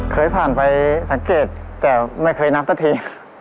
เคยผ่านไปสังเกตแต่ไม่เคยนับสักที